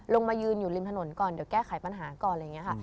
มายืนอยู่ริมถนนก่อนเดี๋ยวแก้ไขปัญหาก่อนอะไรอย่างนี้ค่ะ